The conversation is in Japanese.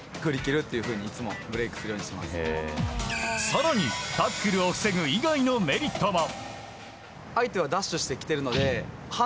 更にタックルを防ぐ以外のメリットも。